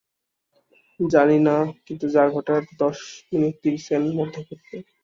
জানি না, কিন্তু যা ঘটার দশ মিনিট ত্রিশ সেকেন্ডের মধ্যেই ঘটবে।